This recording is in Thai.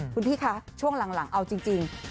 คุณพี่คะช่วงหลังเอาจริง